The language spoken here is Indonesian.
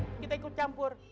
ngapain ji kita ikut campur